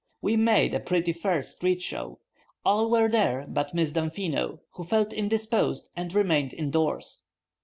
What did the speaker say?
We made a pretty fair street show. All were there but Miss Damfino, who felt indisposed and remained indoors.